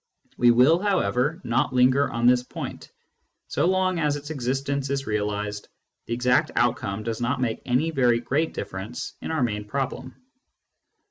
We will, however, not linger on this point ; so long as its existence is realised, the exact outcome does not make any very great difference in our main problem.